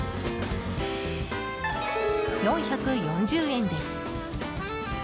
４４０円です。